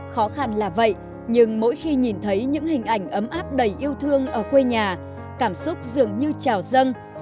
khó khăn là vậy nhưng mỗi khi nhìn thấy những hình ảnh ấm áp đầy yêu thương ở quê nhà cảm xúc dường như trào dâng